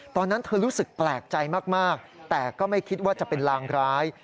ตอนนั้นเธอรู้สึกแปลกใจมากแต่ก็ไม่คิดว่าจะเป็นลางร้าย